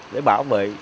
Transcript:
để bảo vệ